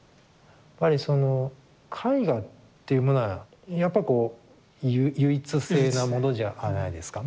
やっぱりその絵画っていうものはやっぱこう唯一性なものじゃないですか。